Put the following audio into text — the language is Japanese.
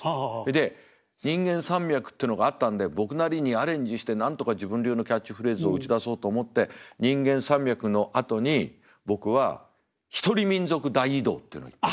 で人間山脈っていうのがあったんで僕なりにアレンジしてなんとか自分流のキャッチフレーズを打ち出そうと思って人間山脈のあとに僕は「一人民族大移動」っていうのを言った。